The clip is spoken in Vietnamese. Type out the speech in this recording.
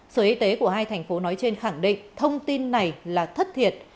sở y tế của hai thành phố nói trên khẳng định thông tin này là thất thiệt